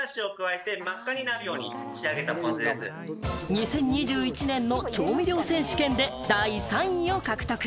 ２０２１年の調味料選手権で第３位を獲得。